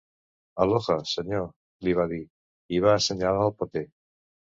Aloha, senyor —li va dir, i va assenyalar el paper—.